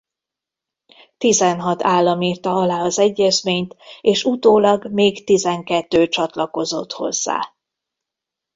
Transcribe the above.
Tizenhat állam írta alá az egyezményt és utólag még tizenkettő csatlakozott hozzá.